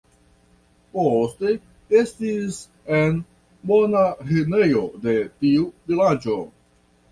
Poste estis en monaĥinejo de tiu vilaĝo.